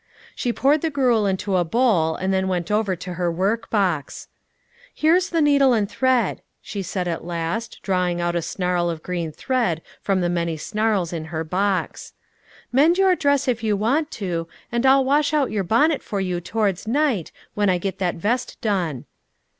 She poured the gruel into a bowl, and then went over to her workbox. "Here's a needle and thread," she said at last, drawing out a snarl of green thread from the many snarls in her box. "Mend your dress if you want to, and I'll wash out your bonnet for you towards night, when I get that vest done."